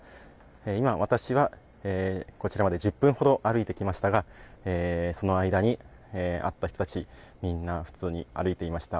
今、私はこちらまで１０分ほど歩いてきましたが、その間に会った人たち、みんな、普通に歩いていました。